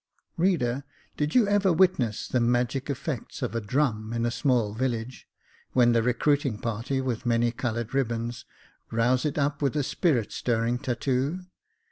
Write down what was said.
Reader, did you ever witness the magic effects of a drum in a small village, when the recruiting party, with many coloured ribands, rouse it up with a spirit stirring tattoo